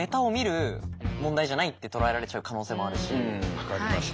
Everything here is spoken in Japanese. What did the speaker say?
分かりました。